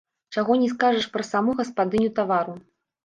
Чаго не скажаш пра саму гаспадыню тавару.